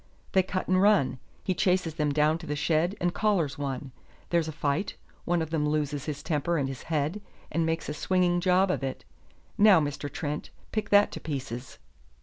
They cut and run; he chases them down to the shed, and collars one; there's a fight; one of them loses his temper and his head, and makes a swinging job of it. Now, Mr. Trent, pick that to pieces."